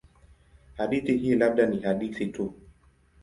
Hadithi hii labda ni hadithi tu.